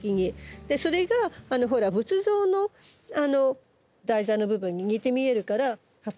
それが仏像の台座の部分に似て見えるから葉っぱが。